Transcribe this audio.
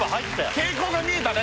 傾向が見えたね